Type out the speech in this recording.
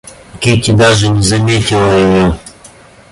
Кити даже не заметила ее.